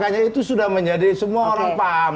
makanya itu sudah menjadi semua orang paham